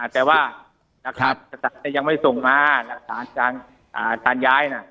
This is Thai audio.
แต่ว่าสตราตรียังไม่ส่งมาหลักษาจากสถานย้ายนะ